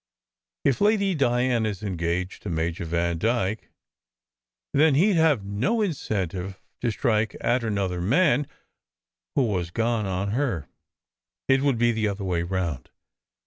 If Lady Diana s engaged to Major Vandyke, then he d have no incentive to strike at another man who was gone SECRET HISTORY 145 on her. It would be the other way round.